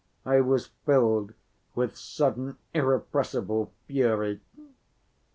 I was filled with sudden irrepressible fury.